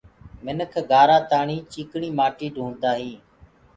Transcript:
منک گآرآ تآڻي چيٚڪڻي مآٽي ڍونڊدآ هين۔